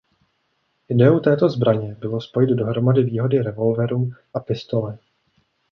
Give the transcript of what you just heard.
Ideou této zbraně bylo spojit dohromady výhody revolveru a pistole.